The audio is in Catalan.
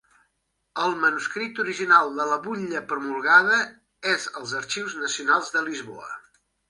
El manuscrit original de la butlla promulgada és als Arxius Nacionals de Lisboa.